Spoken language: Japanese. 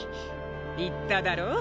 言っただろ？